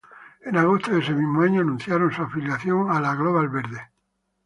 En agosto de ese mismo año, anunciaron su afiliación a la Global Verde.